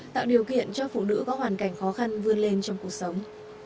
tạo điều kiện cho phụ nữ có hoàn cảnh khó khăn vươn lên trong cuộc sống